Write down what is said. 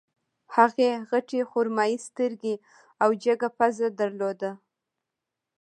هغې غټې خرمايي سترګې او جګه پزه درلوده